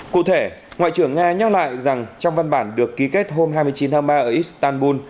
cụ thể ngoại trưởng nga nhắc lại rằng trong văn bản được ký kết hôm hai mươi chín tháng ba ở istanbul